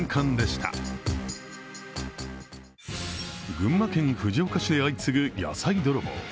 群馬県藤岡市で相次ぐ野菜泥棒。